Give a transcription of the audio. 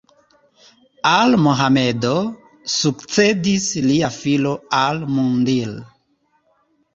Al Mohamedo sukcedis lia filo Al-Mundir.